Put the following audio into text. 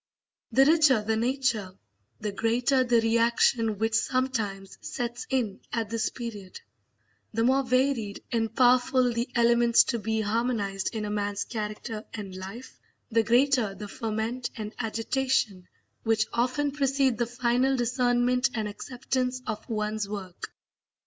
The richer the nature the greater the reaction which sometimes sets in at this period; the more varied and powerful the elements to be harmonised in a man's character and life, the greater the ferment and agitation which often precede the final discernment and acceptance of one's work.